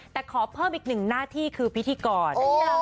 แต่ขอเพิ่มอีกหนึ่งหน้าที่คือพิธีกร